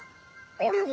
あれは？